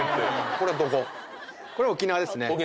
これは沖縄ですね。